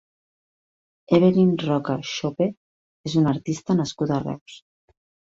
Evelyn Roca Schöpe és una artista nascuda a Reus.